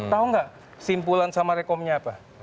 tahu nggak simpulan sama rekomnya apa